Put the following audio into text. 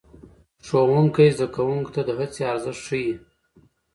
ښوونکی زده کوونکو ته د هڅې ارزښت ښيي